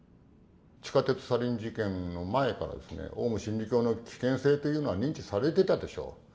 地下鉄サリン事件の前からですねオウム真理教の危険性というのは認知されてたでしょう。